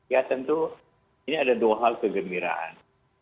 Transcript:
ya tentu ini ada dua hal kegembiraan